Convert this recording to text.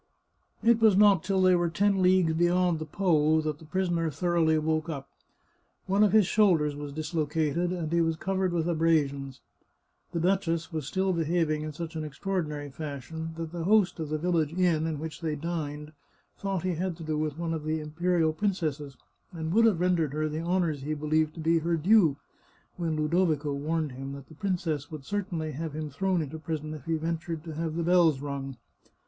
It was not till they were ten leagues beyond the Po that the prisoner thoroughly woke up. One of his shoulders was dislocated, and he was covered with abrasions. The duchess was still behaving in such an extraordinary fashion that the host of the village inn in which they dined thought he had to do with one of the imperial princesses, and would have rendered her the honours he believed to be her due, when Ludovico warned him that the princess would cer 411 The Chartreuse of Parma tainly have him thrown into prison if he ventured to have the bells rung.